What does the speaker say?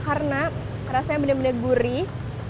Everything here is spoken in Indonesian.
karena rasanya benar benar gurih